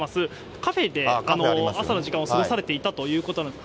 カフェで朝の時間を過ごされていたということで。